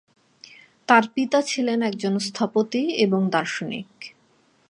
তার পিতা ছিলেন একজন স্থপতি এবং দার্শনিক।